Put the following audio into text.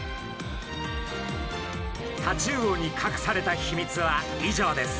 タチウオにかくされた秘密は以上です。